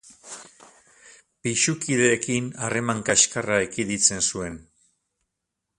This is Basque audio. Pisukideekin harreman kaxkarra ekiditzen zuen.